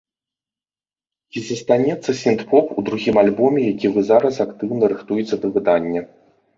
Ці застанецца сінт-поп у другім альбоме, які вы зараз актыўна рыхтуеце да выдання?